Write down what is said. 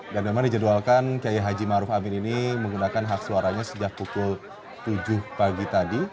dan memang dijadwalkan kayak haji ma'ruf amin ini menggunakan hak suaranya sejak pukul tujuh pagi tadi